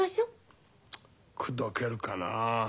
口説けるかなあ。